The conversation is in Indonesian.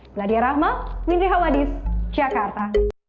meladia rahma mindri hawadis jakarta